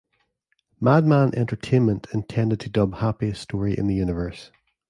Madman Entertainment intended to dub Happiest Story in the Universe!